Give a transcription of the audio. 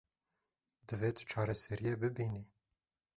Divê tu çareseriyê bibînî.